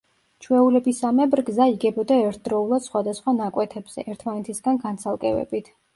ჩვეულებრივსამებრ გზა იგებოდა ერთდროულად სხვადასხვა ნაკვეთებზე, ერთმანეთისგან განცალკევებით.